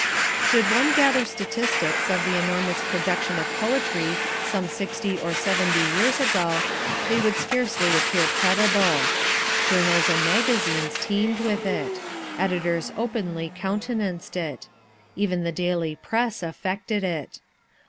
Should one gather statistics of the enormous production of poetry some sixty or seventy years ago, they would scarcely appear credible. Journals and magazines teemed with it. Editors openly countenanced it. Even the daily press affected it.